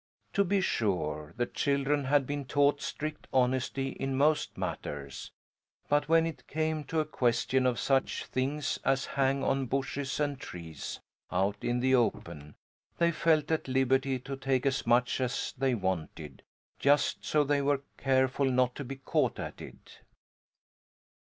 To be sure, the children had been taught strict honesty in most matters, but when it came to a question of such things as hang on bushes and trees, out in the open, they felt at liberty to take as much as they wanted, just so they were careful not to be caught at it.